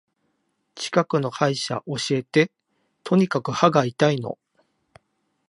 近くの歯医者教えて。とにかく歯が痛いの。